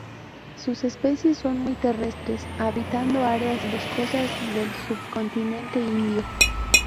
Sus especies son muy terrestres, habitando áreas boscosas del subcontinente Indio.